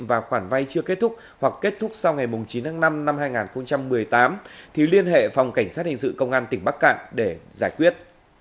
và khoản vay chưa kết thúc hoặc kết thúc sau ngày chín tháng năm năm hai nghìn một mươi tám thì liên hệ phòng cảnh sát hình sự công an tỉnh bắc cạn để giải quyết